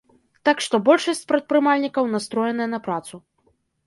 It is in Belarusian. Так што большасць прадпрымальнікаў настроеная на працу.